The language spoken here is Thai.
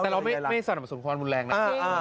แต่เราไม่สนสมควรมุนแรงนะ